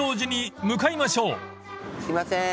すいません。